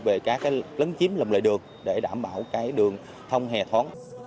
về các lấn chiếm lầm lệ đường để đảm bảo đường thông hề thoáng